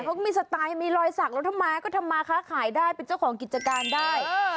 เขาก็มีสไตล์มีรอยสักแล้วทำไมก็ทำมาค้าขายได้เป็นเจ้าของกิจการได้